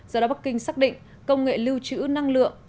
do đó bắc kinh xác định công nghệ lưu trữ năng lượng